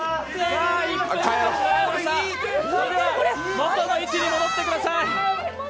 元の位置に戻ってください。